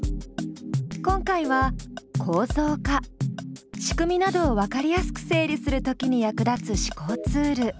今回は構造化仕組みなどをわかりやすく整理するときに役立つ思考ツール。